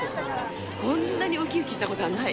こんなにうきうきしたことはない。